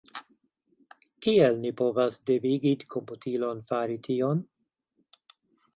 Kiel ni povas devigi komputilon fari tion?